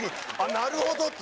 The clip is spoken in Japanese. なるほどって。